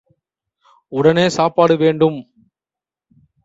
உடனே சாப்பாடு வேண்டும்.